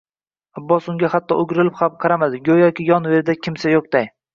Abbos unga hatto o`girilib ham qaramadi, go`yoki yon-verida kimsa yo`qday